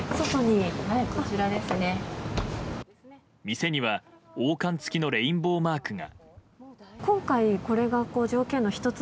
店には王冠つきのレインボーマークが。